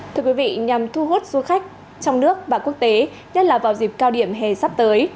thưa quý vị nhằm thu hút du khách trong nước và quốc tế nhất là vào dịp cao điểm hè sắp tới